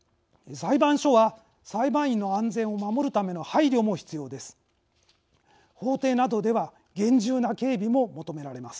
裁判所は、裁判員の安全を守るための配慮も必要です。